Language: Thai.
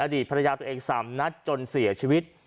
ดีตภรรยาตัวเอง๓นัดจนเสียชีวิต